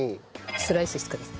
スライスしてください。